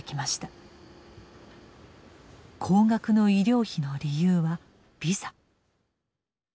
高額の医療費の理由はビザ。